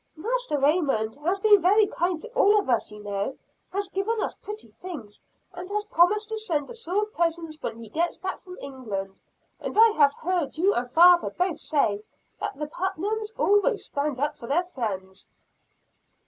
"Master Raymond has been very kind to all of us, you know has given us pretty things, and has promised to send us all presents when he gets back from England; and I have heard you and father both say, that the Putnams always stand up for their friends."